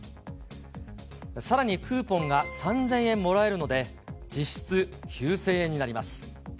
さらにクーポンが３０００円もらえるので、実質９０００円になります。